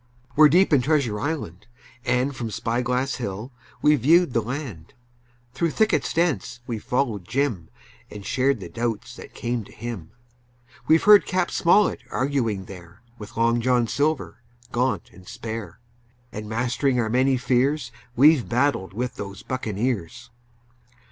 We're deep in Treasure Island, and From Spy Glass Hill we've viewed the land; Through thickets dense we've followed Jim And shared the doubts that came to him. We've heard Cap. Smollett arguing there With Long John Silver, gaunt and spare, And mastering our many fears We've battled with those buccaneers.